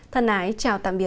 thân ái chào và hẹn gặp lại